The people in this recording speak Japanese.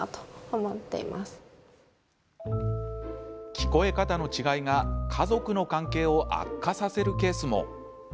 聞こえ方の違いが家族の関係を悪化させるケースも。